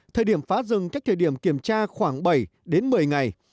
thời điểm phá rừng cách thời điểm kiểm tra khoảng bảy đến một mươi ngày